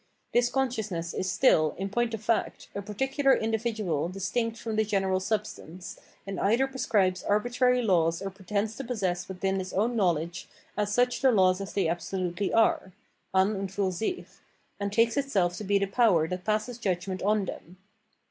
This consciousness is still, in point of fact, a particular individual distinct from the general substance, and either prescribes arbitrary laws or pretends to possess within its own knowledge as such the laws as they absolutely are {an und fiir sich), and takes itseK to be the power that passes judgment on them.